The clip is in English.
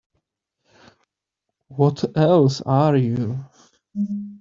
What else are you?